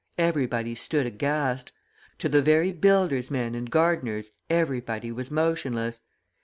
Everybody stood aghast. To the very builders men and gardeners everybody was motionless.